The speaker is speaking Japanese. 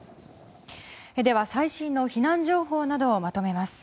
最新の避難情報などをまとめます。